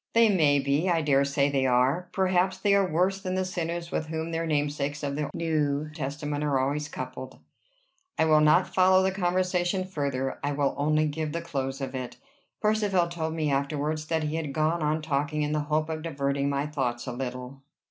"They may be. I dare say they are. Perhaps they are worse than the sinners with whom their namesakes of the New Testament are always coupled." I will not follow the conversation further. I will only give the close of it. Percivale told me afterwards that he had gone on talking in the hope of diverting my thoughts a little.